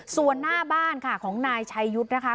ส่วนหน้าบ้านค่ะของนายชัยยุทธ์นะคะ